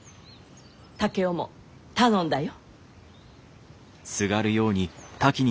竹雄も頼んだよ。